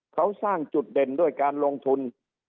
เขาสร้างจุดเด่นด้วยการลงทุน